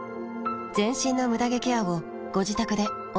全身のムダ毛ケアをご自宅で思う存分。